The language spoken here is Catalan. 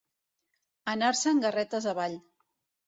Anar-se'n garretes avall.